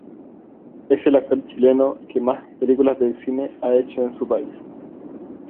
Es el actor chileno que más películas de cine ha hecho en su país.